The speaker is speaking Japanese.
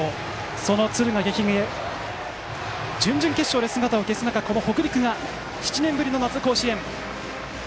その敦賀気比が準々決勝で姿を消す中この北陸が７年ぶりの夏の甲子園。